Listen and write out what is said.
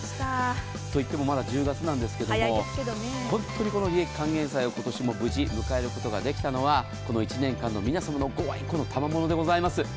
といってもまだ１０月なんですけども本当に、この利益還元祭を今年も無事迎えることができたのはこの１年間の皆さまのご愛顧のたまものでございます。